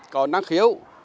còn năng khiếu